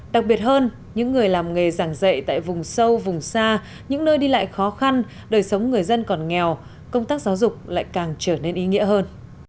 đặc biệt hơn những người làm nghề giảng dạy tại vùng sâu vùng xa những nơi đi lại khó khăn đời sống người dân còn nghèo công tác giáo dục lại càng trở nên ý nghĩa hơn